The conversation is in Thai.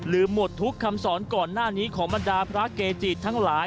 หมดทุกคำสอนก่อนหน้านี้ของบรรดาพระเกจิทั้งหลาย